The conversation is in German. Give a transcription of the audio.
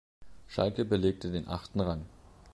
Schalke belegte den achten Rang.